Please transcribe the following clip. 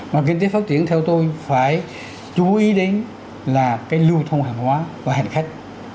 mà kinh tế phát triển theo tôi phải chú ý đến là cái lưu thông hàng hóa của hành khách